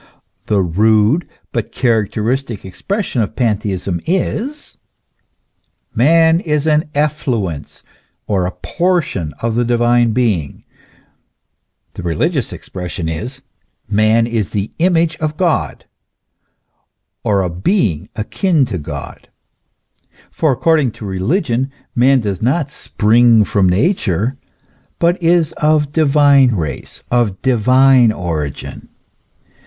The rude but characteristic expression of pantheism is : man is an effluence or a portion of the divine being ; the religious expression is : man is the image of God, or a being akin to God ; for accord ing to religion man does not spring from Nature, but is of divine race, of divine origin.